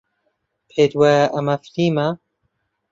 پێت وایە ئەمە فیلمە؟